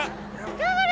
頑張れ。